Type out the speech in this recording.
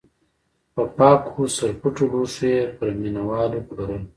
په پاکو سرپټو لوښیو یې پر مینه والو پلورل.